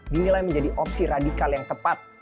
dinilai menjadi opsi radikal yang tepat